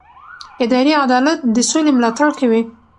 اداري عدالت د سولې ملاتړ کوي